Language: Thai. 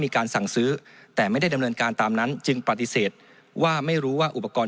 มีการสั่งซื้อแต่ไม่ได้ดำเนินการตามนั้นจึงปฏิเสธว่าไม่รู้ว่าอุปกรณ์